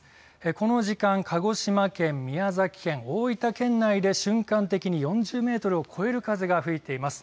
この時間、鹿児島県、宮崎県、大分県内で瞬間的に４０メートルを超える風が吹いています。